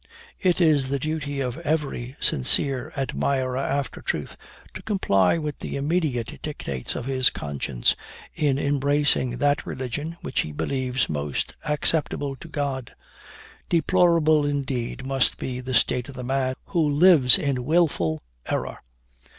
It is the duty of every sincere admirer after truth to comply with the immediate dictates of his conscience, in embracing that religion which he believes most acceptable to God. Deplorable, indeed, must be the state of the man who lives in wilful error.